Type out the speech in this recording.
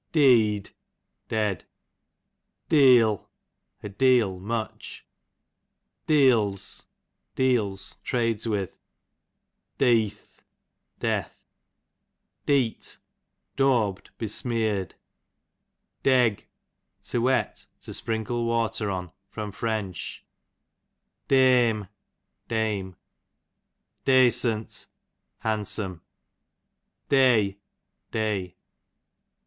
Deeod, dead. Deeol, a deal, much. Deeds, deals, trades with. Deeoth, death. Deet, daivbed, besmear'd. Deg, to wet, to sprinkle water on. Fr. Deme, dame, Desunt, handsome. Day, day.